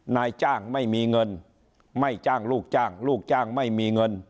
นายจ้างไม่มีเงินไม่จ้างลูกจ้างลูกจ้างไม่มีเงิน